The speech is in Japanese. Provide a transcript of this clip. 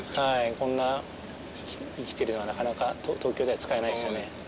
こんな生きてるのはなかなか東京では使えないですよね。